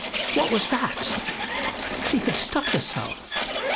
what was that? She had stuck herself.